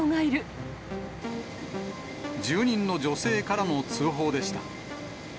住人の女性からの通報でした。